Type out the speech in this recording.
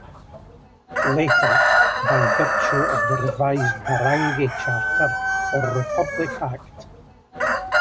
Later, by virtue of the revised Barangay Charter or Republic Act.